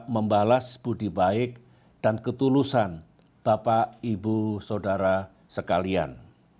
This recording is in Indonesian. membalas budi baik dan ketulusan bapak ibu saudara sekalian